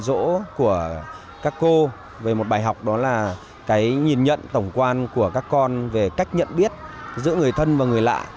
rỗ của các cô về một bài học đó là cái nhìn nhận tổng quan của các con về cách nhận biết giữa người thân và người lạ